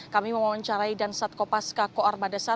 kami mau mencarai dansat kopaska ko armada satu